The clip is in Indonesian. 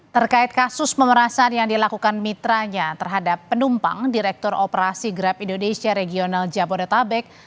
terkait kasus pemerasan yang dilakukan mitranya terhadap penumpang direktur operasi grab indonesia regional jabodetabek